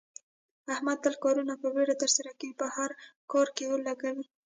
احمد تل کارونه په بیړه ترسره کوي، په هر کار کې اور لگوي.